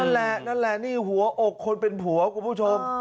นั่นแหละนั่นแหละนี่หัวอกคนเป็นผัวคุณผู้ชม